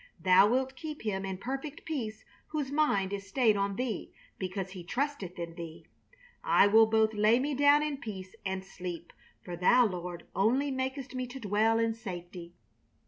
Thou wilt keep him in perfect peace whose mind is stayed on Thee because he trusteth in Thee. I will both lay me down in peace and sleep, for Thou Lord only makest me to dwell in safety...."